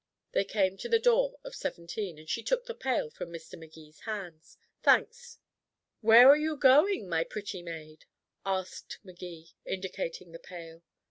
They came to the door of seventeen, and she took the pail from Mr. Magee's hand. "Thanks." "'Where are you going, my pretty maid?'" asked Magee, indicating the pail.